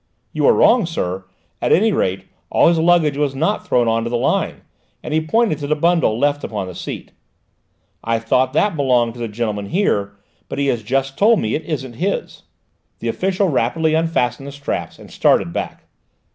"You are wrong, sir; at any rate all his luggage was not thrown on to the line," and he pointed to the bundle left upon the seat. "I thought that belonged to the gentleman here, but he has just told me it isn't his." The official rapidly unfastened the straps and started back.